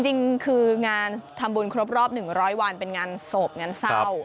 จริงคืองานทำบุญครบหนึ่งร้อยวันเป็นงานศพงั้นเศร้า